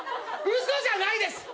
嘘じゃないです。